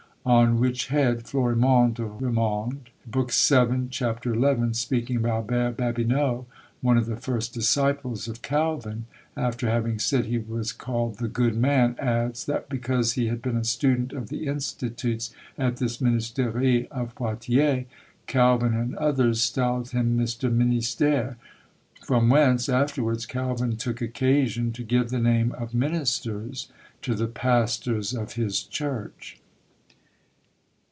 On which head Florimond de Remond (book vii. ch. 11), speaking of Albert Babinot, one of the first disciples of Calvin, after having said he was called 'The good man,' adds, that because he had been a student of the institutes at this Ministerie of Poitiers, Calvin and others styled him Mr. Minister; from whence, afterwards Calvin took occasion to give the name of MINISTERS to the pastors of his church."